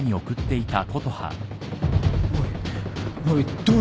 おい。